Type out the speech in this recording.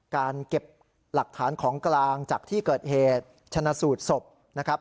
การเก็บหลักฐานของกลางจากที่เกิดเหตุชนะสูตรศพนะครับ